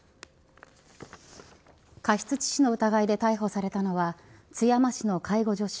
過失致死の疑いで逮捕されたのは津山市の介護助手